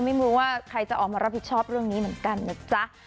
ไม่รู้ว่าใครจะออกมารับผิดชอบเรื่องนี้เหมือนกันนะจ๊ะ